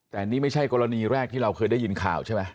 แต่นี่ไม่ใช่กรณีแรกที่เราเคยได้ยินข่าวใช่ไหม